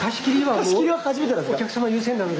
お客様優先なので。